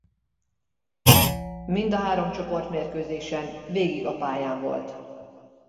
Mind a három csoportmérkőzésen végig a pályán volt.